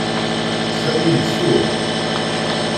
Sami isuɣ.